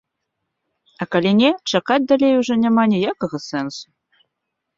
А калі не, чакаць далей ужо няма ніякага сэнсу.